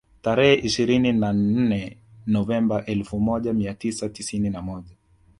Tarehe ishirini na nne Novemba elfu moja mia tisa tisini na moja